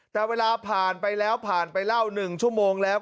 แต่เวลาผ่านไปแล้วผ่านไปเล่า๑ชั่วโมงแล้ว